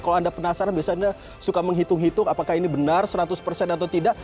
kalau anda penasaran biasanya suka menghitung hitung apakah ini benar seratus persen atau tidak